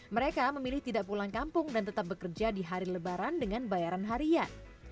mereka memilih tidak pulang kampung dan tetap bekerja di hari lebaran dengan bayaran harian